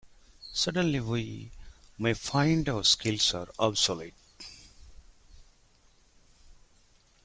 Suddenly we may find our skills are obsolete.